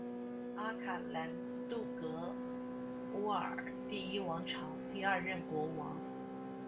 阿卡兰杜格乌尔第一王朝第二任国王。